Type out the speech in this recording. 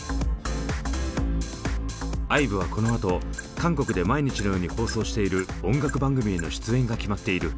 ＩＶＥはこのあと韓国で毎日のように放送している音楽番組への出演が決まっている。